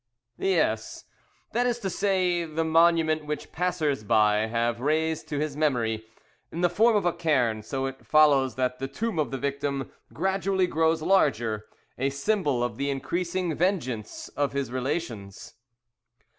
"Yes, that is to say, the monument which passers by have raised to his memory, in the form of a cairn; so it follows that the tomb of the victim gradually grows larger, a symbol of the increasing vengeance of his relations."